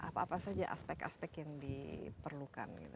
apa saja aspek aspek yang diperlukan gitu